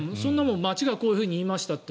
町がこういうふうに言いましたって